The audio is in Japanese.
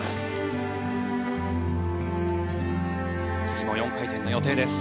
次も４回転の予定です。